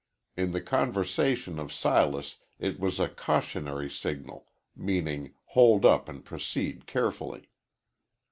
In the conversation of Silas it was a cautionary signal meaning hold up and proceed carefully.